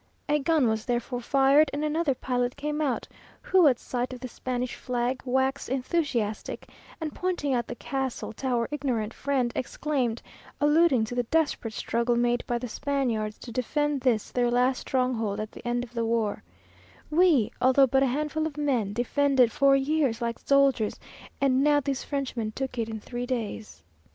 A gun was therefore fired, and another pilot came out, who at sight of the Spanish flag waxed enthusiastic, and pointing out the castle to our ignorant friend, exclaimed, alluding to the desperate struggle made by the Spaniards to defend this their last stronghold at the end of the war, "We, although but a handful of men, defended ourselves for years like soldiers, and now these Frenchmen took it in three days!"